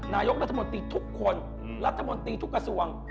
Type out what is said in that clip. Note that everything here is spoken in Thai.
นายกรัฐมนตรีทุกคนรัฐมนตรีทุกกระทรวง